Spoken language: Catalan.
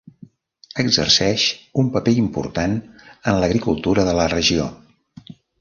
Exerceix un paper important en l'agricultura de la regió.